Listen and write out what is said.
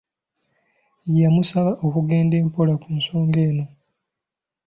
Yamusaba okugenda empola ku nsonga eno.